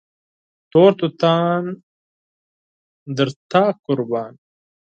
تور توتان له تا قربان